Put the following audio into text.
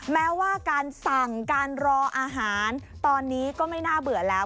แม้ว่าการสั่งการรออาหารตอนนี้ก็ไม่น่าเบื่อแล้ว